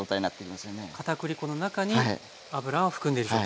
片栗粉の中に油を含んでいる状態。